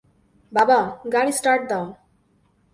বাবা, গাড়ি স্টার্ট দাও!